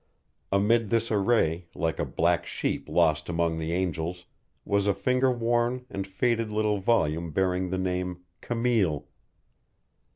Amid this array, like a black sheep lost among the angels, was a finger worn and faded little volume bearing the name Camille.